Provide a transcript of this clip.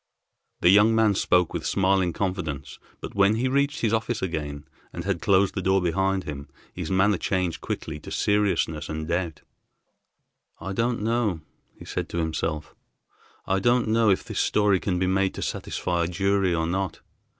The young man spoke with smiling confidence, but when he reached his office again and had closed the door behind him, his manner changed quickly to seriousness and doubt. "I don't know," he said to himself, "I don't know if this story can be made to satisfy a jury or not.